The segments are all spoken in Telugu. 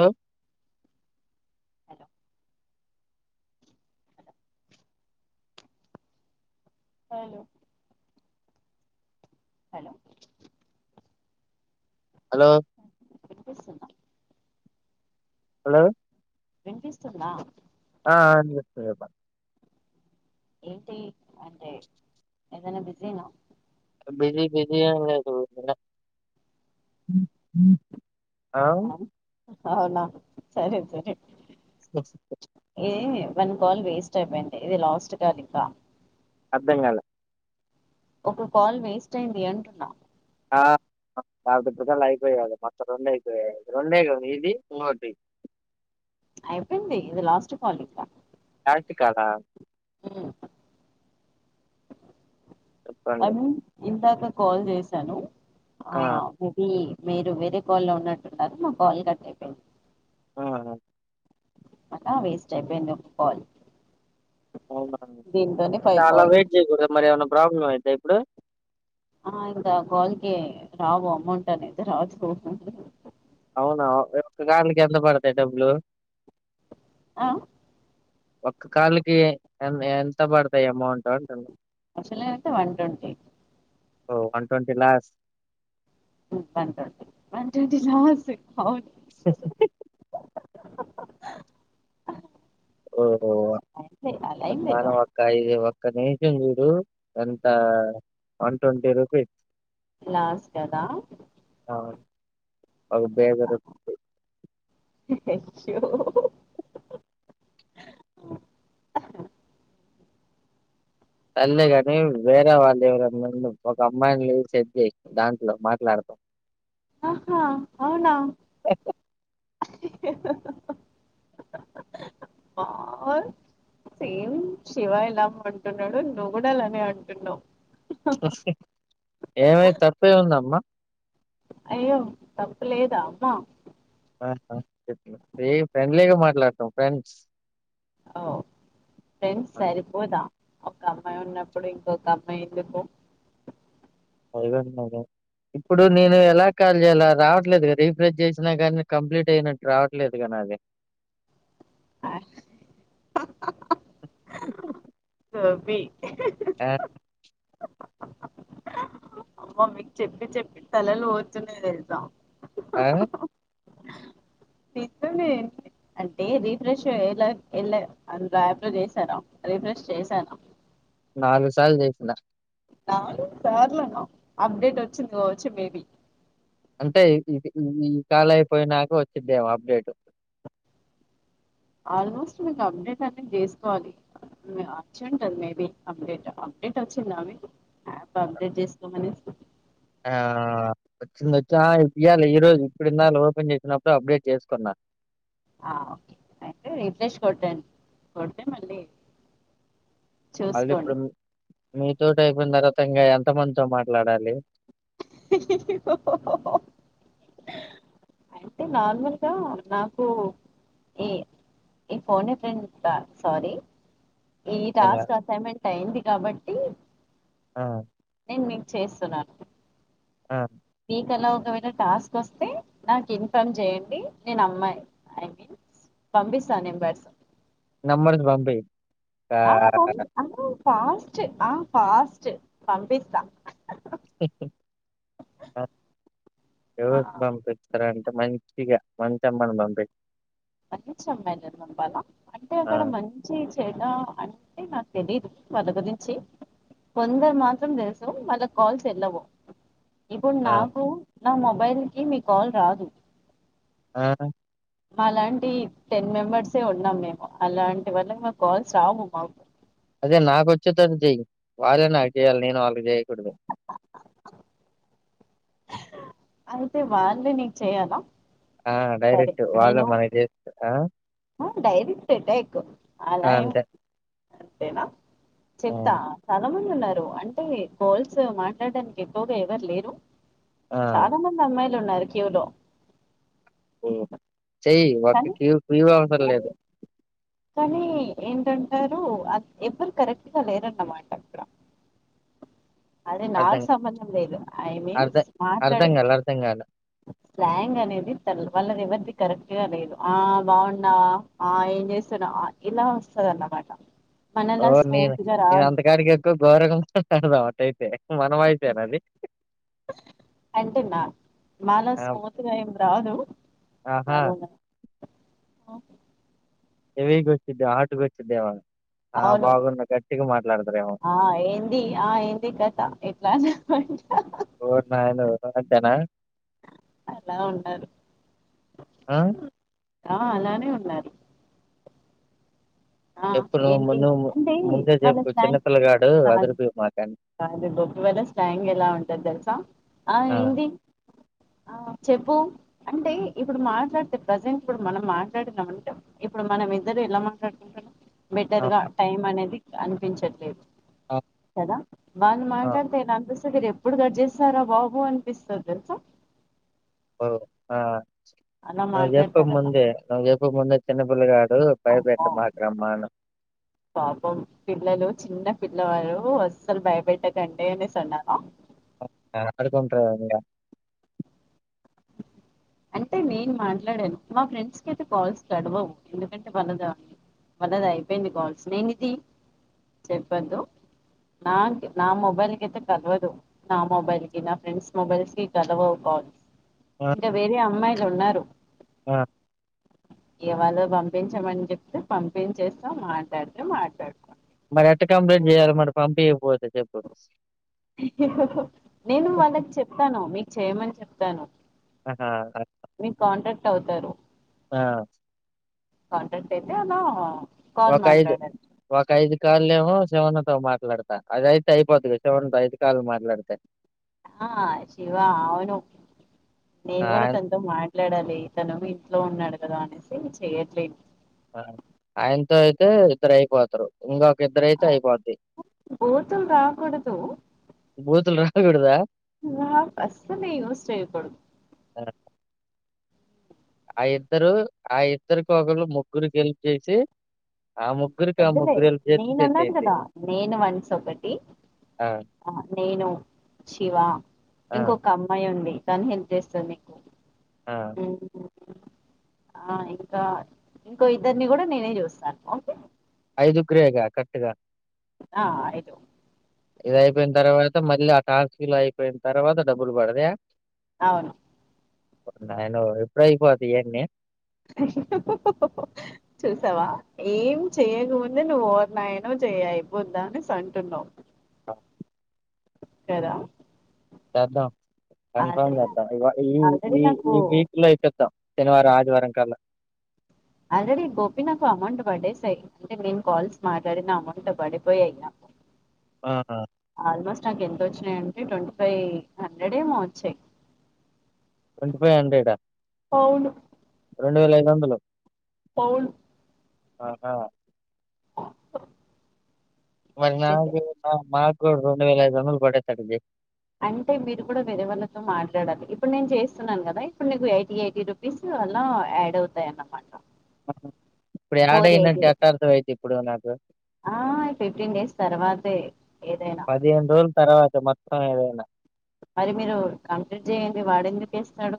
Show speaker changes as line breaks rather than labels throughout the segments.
ఆ
హలో అవును హలో
హలో
వినిపిస్తుందా
హలో
వినిపిస్తుందా
ఆ ఆ విన్పిస్తుంది చెప్పండి
ఏంటి అంటే ఏదైనా బిజీనా
బిజీ బిజీ ఏమి లేదు ఆ
అవునా సరే సరే
ఆఓ
ఎ వన్ కాల్ వేస్ట్ అయిపోయింది ఇది లాస్ట్ కాల్ ఇంకా
అర్ధంకాలే
ఒక కాల్ వేస్ట్ అయింది అంటున్నా
ఆ కాబటి బజలు అయిపోయేయ్ మొత్తం రెండు అయిపోయాయి రెండే గా ఇది ఇంకోటి
అయిపోయింది ఇది లాస్ట్ కాల్ ఇంక
కాదా
అ ఐ
చెప్పండి
మీన్ ఇంతాక కాల్ చేశాను ఆ మికీ మీరు వేరే కాల్లో ఉన్నట్టున్నారు మా కాల్ కట్ అయిపోయింది
ఆ
మకా వేస్ట్ అయిపోయింది ఒక కాల్
అవున
దీంతోనే ఫైవ్
చాలా
కాల్స్
వెయిట్ చేయకూడదు మరి ఏమైనా ప్రాబ్లం అయితే ఇప్పుడు
ఆ ఇంకా కాల్ కి రావు అమౌంట్ అనేది రాదు
అవునా ఒక్కగానికి ఎంత పడతాయి డబ్బులు
ఆ
ఒక్క కాల్కి ఎ ఎంత పడతాయి అమౌంట్ అంటు
అసలు అయితే వన్ ట్వంటీ
ఓ వన్ ట్వీ లాస్ట్
బ ట్ంట వన్ ట్ంటీ రాదు నవును
[inaudible]
[inaudible] [unintelligible]
ఓహో
అదే, అలా ఏం లేదు
అమ్మాను అక్కయి ఇక్క నేచం చూడు ఎంత వన్ ట్వంటీ రూపీస్
లాస్ కదా
ఒగా బేగర [unintelligible]
అయ్యో
సర్లే కాని వేరే వాళ్ళు ఎవర ఒక అమ్మాయిని చూసి సెట్ చెయ్ దాంట్లో మాట్లాడతా [inaudible]
ఆహా అవునా ఆ సేమ్ శివ ఇలామ అంటున్నాడు నువ్వు కూడా అలానే అంటున్నావు
ఏమై తప్పే ఉందమ్మా
అయ్యో తప్పు లేదా అమ్మా
ఫ్రెండ్లీగా మాట్లాడతాం ఫ్రెండ్స్
ఓ ఫ్రెండ్ సరిపోదా ఒక అమ్మాయి ఉన్నప్పుడు ఇంకొక అమ్మాయి ఎందుకు
అదిగద ఇప్పుడు నేను ఎలా కాల్ చేయాల రావట్లేదుగదా రీఫ్రెష్ చేసినా గానీ కంప్లీట్ అయినట్టు రావట్లేదుగాను అదే
ఆ
ఆ
అమ్మ మీకు చెప్పి చెప్పి తలలు పోతున్నయి తెలుసా
ఆ
ఇద్దనే అంటే రిఫ్రెష్ ఎలా వెళ అందు యాప్లో చేశాను రిఫ్రెష్ చేశాను
నాలుగు సాల్ జేసినా
అవును సర్లే అప్టేట్ వచ్చింది వచ్చి మేబి
అంటే ఈ కాల్ అయిపోయినాక వచ్చిదేమో అప్డేట్
ఆల్మోస్ట్ మీకు అప్డేట్ అన్ని చేసుకోవాలి అచ్చింటుంది మేబి అప్డేట్ అప్డేట్ వచ్చిందా మీకు యాప్ అప్డేట్ చేసుకోమని
ఆ వచ్చింది వచ్చా ఇప్పు ఇయాలె ఈ రోజు ఇప్పుడు ఇందాల ఓపెన్ చేసినప్పుడు అప్డేట్ చేసుకున్నా
ఆ ఓకే అయితే రీఫ్రెష్ కొట్టండి కొడ్తే మళ్ళీ
మళ్ళీ ఇప్పుడు
చూసుకోండి
మీతోటి అయిపోయిన తర్వాత ఇంగా ఎంత మందితో మాట్లాడాలి
ఓ అయితే నార్మల్గా నాకు ఏ ఈ ఫోన్ ఏ ఫ్రెండ్ సారీ ఈ
ఇంగా
టాస్క్ అసైన్మెంట్ అయింది కాబట్టి
ఆ
నేను మీక్ చేస్తున్నాను
ఆ
మీకలా ఒకవేళ టాస్క్ వస్తే నాకు ఇన్ఫార్మ్ చేయండి నేను అమ్మాయి ఐ మీన్ పంపిస్తా నెంబర్స్
నమ్మర్స్ బంపి
ఆ పం ఆ ఫాస్ట్ ఆ ఫాస్ట్ పంపిస్తా ఆ!
ఎవరికి పంపి సర అంటే మంచిగా మంచి అమ్మను పంపి
మంచి అమ్మాయి నే పంపాలా అంటే
ఆ!
అక్కడ మంచి చెడా అంటే నాకు తెలీదు వాళ్ళ గురించి కొందరు మాత్రం తెలుసు వాళ్ళకు కాల్స్ ఎల్లవు ఇప్పుడు
ఆ!
నాకు నా మొబైల్ కి మీ కాల్ రాదు
ఆ
మాలాంటి టెన్ మెంబర్సే ఉన్నాం మేము అలాంటి వాల్లకు మాకు కాల్స్ రావు మాకు
అదే నాక వచ్చే తడితి చేయ్ వాళ్ళే నాకు చెయాలి నేను వాళ్ళకి చేయకూడదు
అయితే వాళ్ళే నీకు చెయాలా
ఆ డైరెక్ట్ వాళ్ళ మనకి ఆ
ఆ డైరెక్ట్ అటాక్
ఆ!
అలా ఏం
అంతే. ఆ!
చెప్తా చాలా మంది ఉన్నారు అంటే కాల్స్ మాట్లాడడానికి ఎక్కువగా ఎవరు లేరు
ఆ!
చాలా మంది అమ్మాయిలు ఉన్నారు క్యూ లో
మ్ చెయ్యి వక్కకి క్యూ ఆఫర్
కానీ
లేదు
కానీ ఏంటంటారు అ ఎవరు కరెక్ట్ గా లేరన్నమాట అక్కడ అదే నాకు
అర్థం
సంబంధం లేదు ఐ
అర్ధ
మీన్స్
అర్థం
మాట్లాడే
కాలే అర్థం కాలే
స్లాంగ్ అనేది త్తరు వాళ్ళది ఎవరిది కరెక్ట్గా లేదు ఆ బాగున్నావా ఆ ఏం చేస్తున్నా అ ఇలా వస్తదన్నమాట
ఓ నేను నేను అంతగడానికి ఎక్కువ గౌరవం అంటడదా అటైతే
అంటే న మాల స్మూతగా ఎందు కాదు
అహ
అ
హెవీగా వచ్చిద్ది హార్డ్ గా వచ్చిదేమో
అవును ఆహ్ ఏంది ఆహ్ ఏంది కథ ఎట్లా అనూ. ఆహ్.
ఓరి నాయనో అంతేనా.
ఎలా ఉన్నారు.
ఆ
ఆహ్ అలానే ఉన్నారు. ఆహ్
చెప్పు నువ్వు ము-
ఏంటి
నువ్వు ము-
అంటే
ముందే
వాళ్ళ
చెప్పు చిన్న
స్లాంగ్
పిల్లగాడు
కాదు.
అదిరిపోయావు మాకని
కాదు బొక్ వేల స్లాంగ్ ఎలా ఉంటది తెలుసా ఆహ్
ఆ!
ఏంది. ఆహ్ చెప్పు. అంటే ఇప్పుడు మాట్లాడితే ప్రజెంట్ ఇప్పుడు మనం మాట్లాడినంమంటే ఇప్పుడు మనం ఇద్దరు ఎలా మాట్లాడుతు బెటర్ గా
అవును.
టైమ్ అనేది అనిపించట్లేదు.
ఆ!
కదా వాళ్లు
ఆ!
మాట్లాడితే నాకు సి. మీరు ఎప్పుడు కట్ చేస్తారా బాబు అనిపిస్తది తెలుసా.
ఓ ఆహ్.
అలా
నాకు చెప్పు
మాట్లాడతారట
ముందే నాకు చెప్పకుండా చిన్నపిల్ల గాడు
అమ్మో
భయపెట్టమాక్రుమ్మ.
పాపం పిల్లలు చిన్న. పిల్లవాలు అస్సలు భయపెట్టకండి అనేసి అన్నారా.
ఆహ్ ఆడుకుంటారు కదండీ ఇంకా.
అంటే నేను మాట్లాడాను మా ఫ్రెండ్స్ కైతే కాల్స్ కలవవు ఎందుకంటే వలదా. వాళ్ళది అయిపోయింది కాల్స్ నేను ఇది చెప్పొద్దు. నాకి నా మొబైల్ కయితే కలవదు నా మొబైల్ కి నా ఫ్రెండ్స్ మొబైల్స్ కి ఫ్రెండ్స్ కలవవు. ఆహ్.
ఆ!
ఇంకా వేరే అమ్మాయిలు ఉన్నారు.
ఆ!
ఇగ వాళ్ళు పంపించమని చెప్తే పంపించేస్తాం మాట్లాడితే మాట్లాడుతాం.
మరి ఎట్లా కంప్లీట్ చేయాలి మరి పంపింయకపోతే చెప్పు.
ఇహ్ ఇహ్ ఆహ్ నేను వాళ్ళకు చెప్తాను మీకు చేయమని చెప్తాను.
ఆహ్ కరెక్ట్.
మీకు కాంటాక్ట్ అవుతారు.
ఆహ్.
కాంటాక్ట్ అయితే అలా. కాల్
ఒక ఐదు
మాట్లాడాలి
ఒక ఐదు కాల్ ఏమో. శివన్న తో మాట్లాడతా అది అయితే అయిపోతాదిగ శివన్న తో ఐదు కాలు మాట్లాడితే.
ఆహ్ శివ అవును నేను
ఆ!
కూడా
ఆయన
తనతో మాట్. మాట్లాడాలి తను ఇంట్లో ఉన్నాడు కదా అనేసి చేయట్లేదు.
ఆయనతో అయితే ఇద్దరు అయిపోతరు ఇంకా. ఇద్దరయితే అయిపోద్ది
బూతులు రాకూడదు
బూతులు రాకూడదా.
ఆహ్ అస్సలే యూస్ చేయకూడదు.
ఆహ్. ఆ ఇద్దరు ఆ ఇద్దరికి ఒకళ్ళు ముగ్గురుకి హెల్ప్ చేసి. ఆ ముగ్గురికి ఆ
వద్దులే
ముగ్గురు హెల్ప్ చేస్తే
నేను
సెట్
అన్నాను
అయిద్ది.
కదా నేను వన్స్ ఒకటి.
ఆ!
ఆహ్ నేను శివ
ఆ!
ఇంకొక అమ్మాయి ఉంది. తానే హెల్ప్ చేస్తుంది నీకు
ఆహ్.
ఆహ్ ఇంకా ఇంకో ఇద్దరిని కూడా నేనే చూస్తాను ఓకే.
ఐదుగురేగా కరక్ట్గా.
ఆహ్ ఐదుగురే.
ఇది అయిపోయిన్ తర్వాత మళ్ళీ ఆ టాస్కులు అయిపోయిన్ తర్వాత డబ్బులు పడ్తయా
అవును
ఓరి నాయనో ఎప్పుడైపోతయి ఇయన్ని
చూసావా ఏం చేయకముందే నువ్వు ఓర్నాయనో చేయ అయిపోద్దా అనేస్ అంటున్నవ్
అ
కదా
చేద్దాం కన్ఫామ్
ఆల్రెడీ నాకు
చేద్దాం ఇగో ఈ
ఆల్రెడీ
ఈ
నాకు
ఈ వీక్లో చేసేద్దాం శనివారం ఆదివారం కల్ల
ఆల్రెడీ గోపి నాకు అమౌంట్ పడేసాయి అంటే నేను కాల్స్ మాట్లాడిన అమౌంట్ పడిపోయాయి నాకు
ఆ!
ఆల్మోస్ట్ నాకెంతొచ్చినయి యం టే ట్వంటీ ఫైవ్ హండ్రెడ్ ఏమో వచ్చాయి.
ట్వంటీ ఫైవ్ హండ్రెడ
పౌలు
రెండు వేల ఐదు వందలు
అవున్
ఆహా మరి
చేసాయి
నాకు మాక్కూడా రెండు వేల ఐదు వందల్ పడేతట్టు చెయ్
అంటే మీరు కూడా వేరవళ్ళతో మాట్లాడాలి. ఇప్పుడ్ నేన్ చేస్తున్నాను కదా ఇప్పుడు నీకు ఎయిటీ ఎయిటీ రూపీస్ సో అలా యాడ్ అవుతాయన్నమాట.
ఇప్పుడు యాడ్ అయిందంటే ఎట్టా అర్థం అయ్యిది ఇప్పుడు నాకు
ఆ ఫిఫ్టీన్ డేస్ తర్వాతే ఏదైనా
పదిహేన్ రోజుల్ తర్వాత మొత్తం ఏదైనా
మరి మీరు కంప్లీట్ చేయండి వాడెందుక్ ఏస్తడు.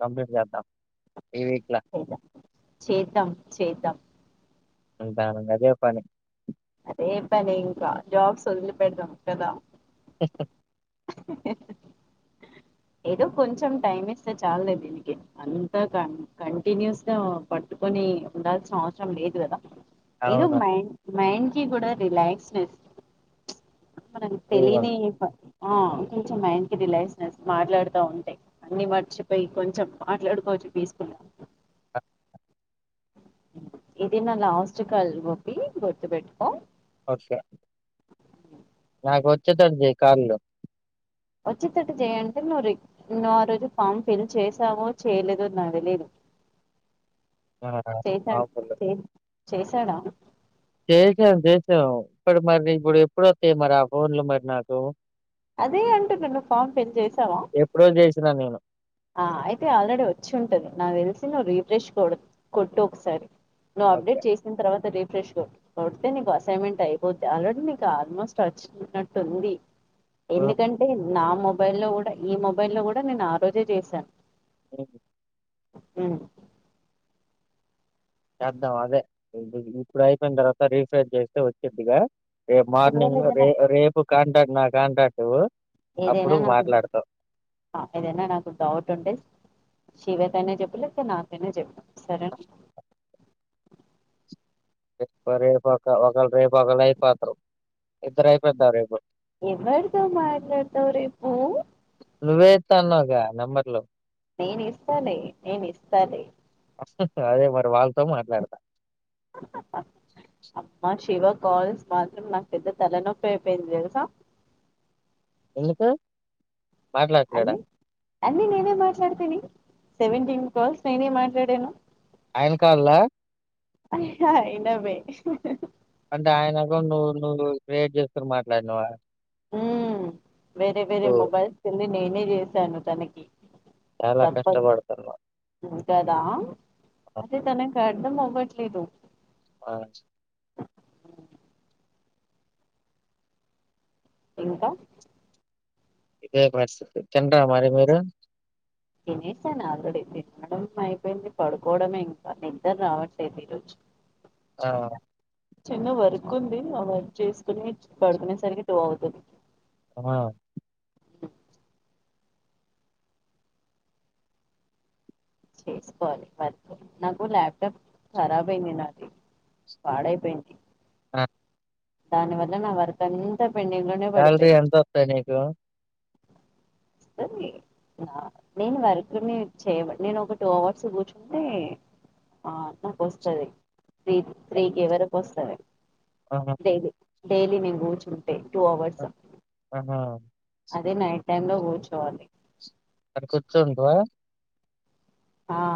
కంప్లీట్ చేద్దాం ఈ వీక్‌ల
చేద్దాం చేద్దాం.
అంతే అని గదే పని
అదే పని ఇంక జాబ్స్ వదిలి పెడ్దాం కదా ఏదో కొంచం టైం ఇస్తే చాల్లే దీనికి అంతా కంటిన్యూస్గ పట్టుకొని నీ ఉండాల్సిన అవసరం లేదు కదా ఏదో
అవును.
మైండ్ మైండ్కి కూడా రిలాక్స్నెస్ మనకు
ఫ్రీగా
తెలీని
ఉండు.
ఆ కొంచం మైండ్కి రిలైస్నెస్ మాట్లాడ్తా ఉంటే అన్ని మర్చిపోయి కొంచం మాట్లాడుకొ వేస్కొల ఇదే నా లాస్ట్ కాల్ గోపి గుర్తు పెట్కో
ఓకే నాక్ వచ్చేతట్టు చెయ్ కాల్లు
వచ్చేటట్టు చేయంటే నువ్ నువ్వు ఆ రోజు ఫామ్ ఫిల్ చేశావో చేయలేదో నాక్ తెలీదు.
ఆ!
చేసాడు.
ఆఫర్‌లు.
చే చేశాడా?
చేసాం చేసాం ఇప్పుడ్ మరి ఇప్పుడు ఎప్పుడు వస్తయి మరి ఆ ఫోన్లు మరి నాకు
అదే అంటున్న నువ్ ఫార్మ్ ఫిల్ చేసావా
తిన నేను
ఆ అయితే ఆల్రెడీ వచ్చి ఉంటది నావ వెలిసి నువ్వు రీఫ్రెష్ కొడు కొట్టు ఒకసారి నువ్వు
ఓకే.
అప్డేట్ చేసిన తర్వాత రే ఫ్రెష్ కొ కొడితే నీకు అసైన్మెంట్ అయిపోద్ది, ఆల్రెడీ నీకు ఆల్మోస్ట్ వచ్చినట్టు ఉంది.
హ్మ్.
ఎందుకంటే నా మొబైల్ లో కూడా ఈ మొబైల్ లో కూడా నేను ఆ రోజే చేశాను.
ఓకే
అ
చేద్దాం అదే ఇప్పు ఇప్పుడు అయిపోయిన తర్వాత రీఫ్రెష్ చేస్తే వచ్చిదిగా రేపు
ఒకవేళ
మార్నింగ్లో
ఏదైనా
రే రేపు కాంటక్ట్ నా కాంటాక్టు
ఏదైనా నాకు అ ఏదైనా నాకు డౌట్ ఉంటే శివేతనే చెప్పు లేక నాకైనా చెప్పు సరేన
రే రేపు ఒక వకలు రేపు ఒకలై అయిపోతరు. ఇద్దరు అయిపోద రేపు
ఎవరతో మాట్లాడతావ్ రేపు?
నువేతాన్నాగా నంబర్ లు
నేను ఇస్తాలే నేను ఇస్తాలే
మాస్కత్త అదే మరి వాళ్ళతో మాట్లాడతా
అమ్మా శివ కాల్స్ మాత్రం నాకు పెద్ద తలనొప్పయ్ పోయింది తెలుసా?
ఎందుకు మాట్లాడట్లేడా?
అన్ని అన్ని నేనే మాట్లాడతని సెవెంటీన్ కల్స్ నేనే మాట్లాడేను
ఆయన కాల్లా
అయ్యా ఇన్డవే హ్హ్హ్
అంటే ఆయన అకౌంట్ నువ్వు నువ్వు క్రియేట్ చేసుకుని మాట్లాడినావా?
ఉమ్ వేరే వేరే మొబైల్స్ కింది నేనే చేసాను తనకి
చాలా
తప్పదు
కష్టపడతున్నావు
ఉమ్, కదా అదే తనకు అర్థం అవ్వట్లేదు.
ఆ
ఇంకా
ఇదే పరిస్థితి తినరా మరి మీరు?
తినేసాను ఆల్రెడీ తినడం అయిపోయింది. పడుకోవడమే ఇంకా నిద్దర రావట్లేదు ఈరోజు
ఆ
చిన్న వర్క్ ఉంది. ఆ వర్క్ చేసుకుని పడుకునేసరికి టు అవుతుంది.
ఆమ
చేసుకోవాలి పర్లు నాకు ల్యాప్టాప్ ఖరాబ్ అయింది నాది పాడైపోయింది
ఆ!
దాని వల్ల నా వరకంత
సాలరి ఎంత వత్తాయి నీకు?
స్తంది నేను వర్క్ని చేయబడి నేను ఒక టూ అవర్స్ కూర్చుంటే ఆ నాకు వస్తది త్రీ త్రీకి వరకు వస్తది.
ఆహా
డైలీ డైలీ నేను గూచును
అ ఆహ
అదే నైట్ టైమ్ లో కూర్చోవాలి.
అటు కూర్చోంటవా?
ఆఆ